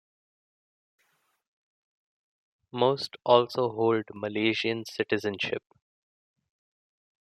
Most also hold Malaysian citizenship.